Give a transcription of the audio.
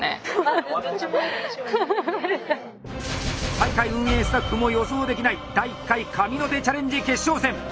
大会運営スタッフも予想できない第１回神の手チャレンジ決勝戦。